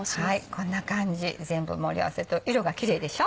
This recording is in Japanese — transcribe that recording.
こんな感じ全部盛り合わせると色がキレイでしょ？